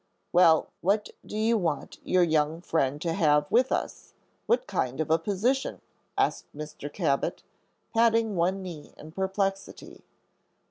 "Well, what do you want your young friend to have with us what kind of a position?" asked Mr. Cabot, patting one knee in perplexity.